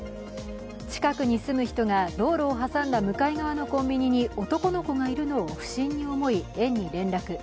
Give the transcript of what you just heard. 近くに住む人が道路を挟んだ向かい側のコンビニに男の子がいるのを不審に思い、園に連絡。